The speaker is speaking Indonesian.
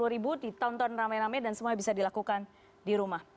tiga ratus lima puluh ribu ditonton rame rame dan semua bisa dilakukan di rumah